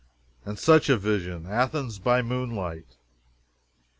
And such a vision! Athens by moonlight!